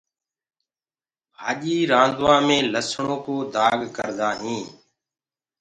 ڀآڃي رآندوآ مي لسڻو ڪو دآگ ڪردآ هينٚ۔